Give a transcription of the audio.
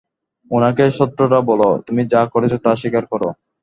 ওনাকে সত্যটা বলো, তুমি যা করেছ তা স্বীকার করো।